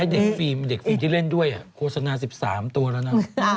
เด็กฟิล์มที่เล่นด้วยโฆษณา๑๓ตัวแล้วนะ